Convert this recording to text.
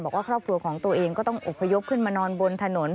ครอบครัวของตัวเองก็ต้องอบพยพขึ้นมานอนบนถนน